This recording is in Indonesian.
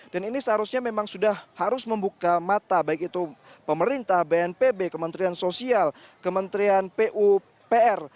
dan ini seharusnya memang sudah harus membuka mata baik itu pemerintah bnpb kementerian sosial kementerian pupr